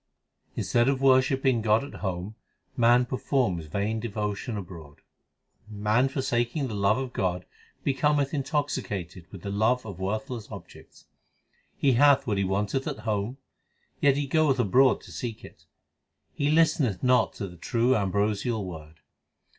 Instead of worshipping God at home man performs vain devotion abroad : Man forsaking the love of God, becometh intoxicated with the love of worthless objects. He hath what he wanteth at home, yet he goeth abroad to seek it :{ He listeneth not to the true ambrosial Word.